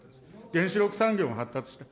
原子力産業も発達した。